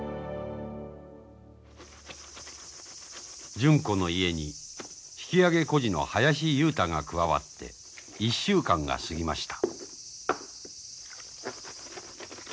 純子の家に引き揚げ孤児の林雄太が加わって１週間が過ぎました。